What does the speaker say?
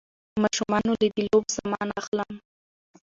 ماشومانو له د لوبو سامان اخلم